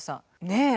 ねえ！